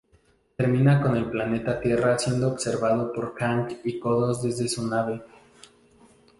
Termina con el planeta Tierra siendo observado por Kang y Kodos desde su nave.